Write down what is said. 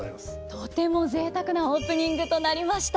とてもぜいたくなオープニングとなりました。